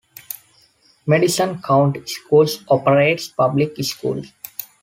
Madison County Schools operates public schools.